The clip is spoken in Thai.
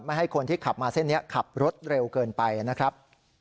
ให้คนที่ขับมาเส้นนี้ขับรถเร็วเกินไปนะครับ